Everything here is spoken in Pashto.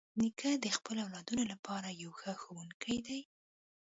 نیکه د خپلو اولادونو لپاره یو ښه ښوونکی دی.